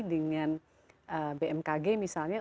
dengan bmkg misalnya